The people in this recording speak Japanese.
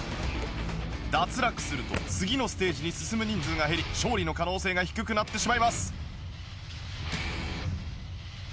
脱落すると次のステージに進む人数が減り勝利の可能性が低くなってしまいます。